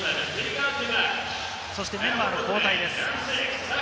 そしてメンバーの交代です。